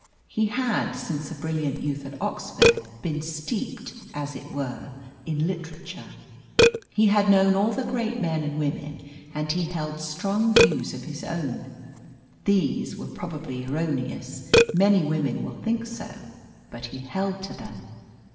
He had, since a brilliant youth at Oxford, been steeped, as it were, in literature. He had known all the great men and women, and he held strong views of his own. These were probably erroneous many women will think so but he held to them.